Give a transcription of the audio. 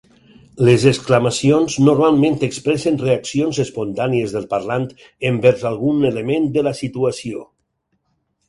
Les exclamacions normalment expressen reaccions espontànies del parlant envers algun element de la situació.